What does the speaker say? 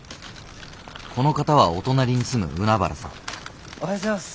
この方はお隣に住む海原さんおはようございます。